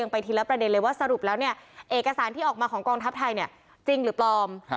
ไปทีละประเด็นเลยว่าสรุปแล้วเนี่ยเอกสารที่ออกมาของกองทัพไทยเนี่ยจริงหรือปลอม